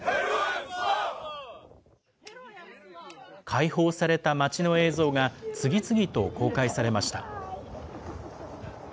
解放された街の映像が、次々と公開されました。